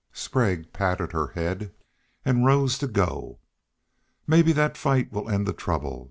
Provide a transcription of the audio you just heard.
Sprague patted her head and rose to go. "Mebbe thet fight will end the trouble.